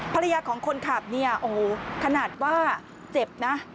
ภรรยาของคนขับเนี่ยโอ้โหขนาดว่าเจ็บนะ